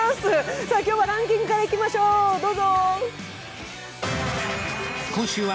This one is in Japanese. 今日もランキングからいきましょう、どうぞ。